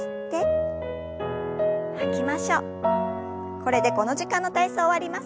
これでこの時間の体操終わります。